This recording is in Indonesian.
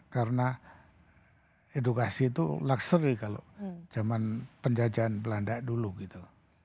karena edukasi itu luxury kalau jaman penjajahan belanda dulu gitu